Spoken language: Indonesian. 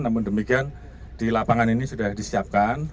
namun demikian di lapangan ini sudah disiapkan